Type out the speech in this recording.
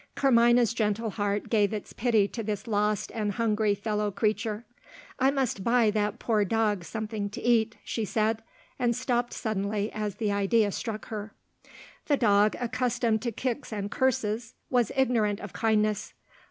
Carmina's gentle heart gave its pity to this lost and hungry fellow creature. "I must buy that poor dog something to eat," she said and stopped suddenly as the idea struck her. The dog, accustomed to kicks and curses, was ignorant of kindness.